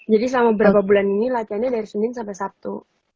jadi selama beberapa bulan ini latihannya dari senin sampai sabtu